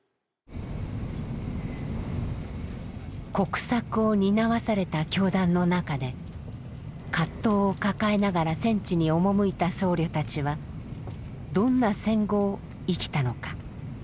国策を担わされた教団の中で葛藤を抱えながら戦地に赴いた僧侶たちはどんな戦後を生きたのか。